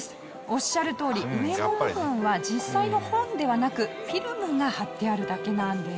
おっしゃるとおり上の部分は実際の本ではなくフィルムが貼ってあるだけなんです。